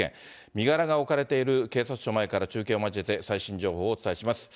身柄が置かれている警察署前から中継を交えて、最新情報をお伝えします。